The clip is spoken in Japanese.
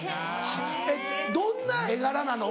えっどんな絵柄なの？